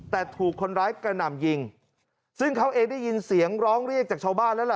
แต่ถูกคนร้ายกระหน่ำยิงซึ่งเขาเองได้ยินเสียงร้องเรียกจากชาวบ้านแล้วล่ะ